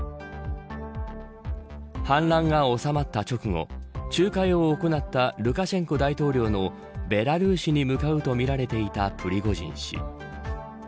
反乱が収まった直後仲介を行ったルカシェンコ大統領のベラルーシに向かうとみられていたプリゴジン氏